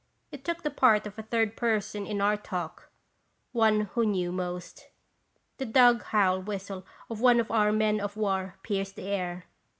It took the part of a third person in our talk, one who knew most. The dog howl whistle of one of our men of war pierced the air.